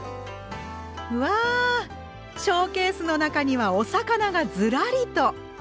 うわあショーケースの中にはお魚がずらりと。